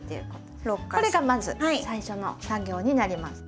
これがまず最初の作業になります。